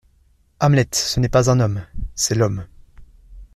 Hamlet, ce n’est pas un homme, c’est L’homme.